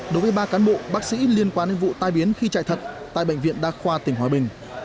đối với ba cán bộ bác sĩ liên quan đến vụ tai biến khi chạy thận tại bệnh viện đa khoa tỉnh hòa bình